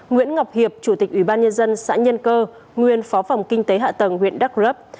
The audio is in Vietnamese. nguyễn ngọc hiệp chủ tịch ủy ban nhân dân xã nhân cơ nguyên phó phòng kinh tế hạ tầng huyện đắk rấp